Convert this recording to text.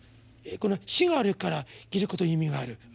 この死があるから生きることに意味がある。